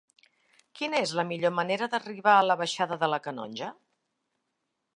Quina és la millor manera d'arribar a la baixada de la Canonja?